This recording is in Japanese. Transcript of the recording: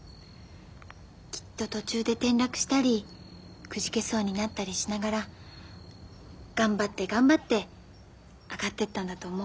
きっと途中で転落したりくじけそうになったりしながら頑張って頑張って上がってったんだと思う。